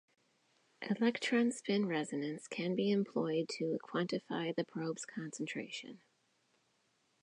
Electron spin resonance can be employed to quantify the probe's concentration.